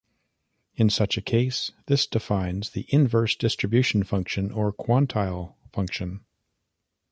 In such a case, this defines the inverse distribution function or quantile function.